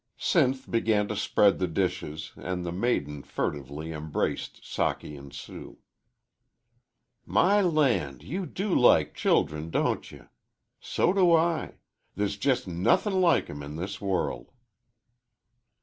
Sinth began to spread the dishes, and the maiden furtively embraced Socky and Sue. "My land! you do like childem don't ye? So do I. They's jes' nothin' like 'em in this world."